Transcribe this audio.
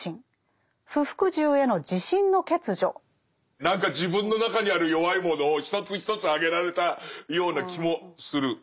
何か自分の中にある弱いものを一つ一つ挙げられたような気もする。